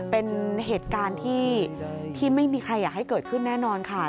เป็นเหตุการณ์ที่ไม่มีใครอยากให้เกิดขึ้นแน่นอนค่ะ